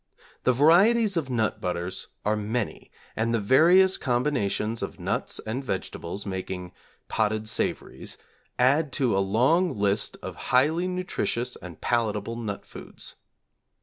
The varieties of nut butters are many, and the various combinations of nuts and vegetables making potted savouries, add to a long list of highly nutritious and palatable nut foods.